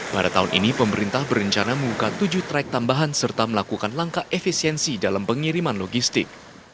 pada tahun ini pemerintah berencana membuka tujuh track tambahan serta melakukan langkah efisiensi dalam pengiriman logistik